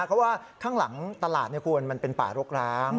เพราะว่าข้างหลังตลาดคุณมันเป็นป่ารกร้าง